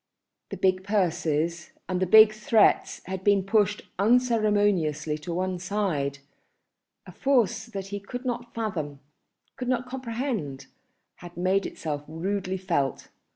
The big purses and the big threats had been pushed unceremoniously on one side; a force that he could not fathom, could not comprehend, had made itself rudely felt.